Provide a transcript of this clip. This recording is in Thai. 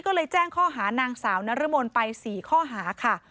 ก็เลยแจ้งข้อหานางสาวนรมนไป๔ข้อหาค่ะ